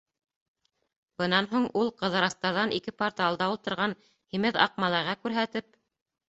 Бынан һуң ул, Ҡыҙырастарҙан ике парта алда ултырған һимеҙ аҡ малайға күрһәтеп: